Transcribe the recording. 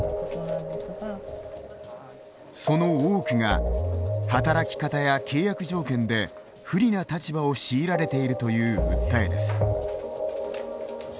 その多くが働き方や契約条件で不利な立場を強いられているという訴えです。